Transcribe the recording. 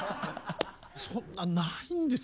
そんなないんですよね。